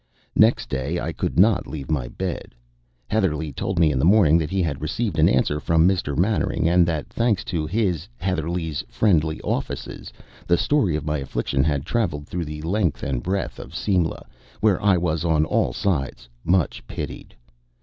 Next day I could not leave my bed. Heatherlegh told me in the morning that he had received an answer from Mr. Mannering, and that, thanks to his (Heatherlegh's) friendly offices, the story of my affliction had traveled through the length and breadth of Simla, where I was on all sides much pitied.